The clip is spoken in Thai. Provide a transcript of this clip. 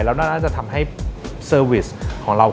แล้วน่าจะทำให้เซอร์วิสของเรา